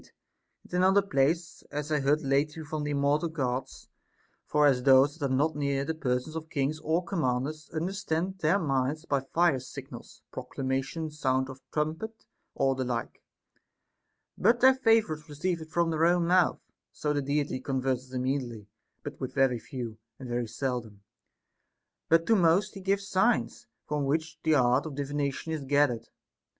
And in another place, As I heard lately from th' immortal Gods.* For as those that are not near the persons of kings or com manders understand their minds by fire signals, proclamation, sound of trumpet, or the like, but their favorites receive it from their own mouth ; so the Deity converses immediately but with very few, and very seldom ; but to most he gives signs, from which the art of divination is gathered.